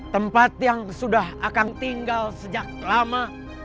tempat yang sudah akan tinggal sejak lama